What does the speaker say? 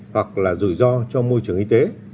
hoặc là rủi ro cho môi trường y tế